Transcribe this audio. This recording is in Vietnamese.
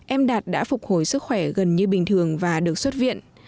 em đạt đã phục hồi sức khỏe gần như bình thường và được xuất viện